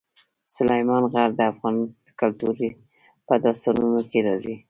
سلیمان غر د افغان کلتور په داستانونو کې راځي.